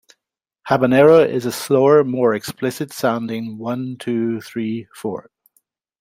Habanera is a slower, more explicit sounding "one", two, "three"-four.